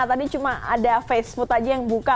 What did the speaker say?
tadi cuma ada facebook aja yang buka